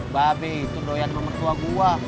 babe itu doyan pemertua gue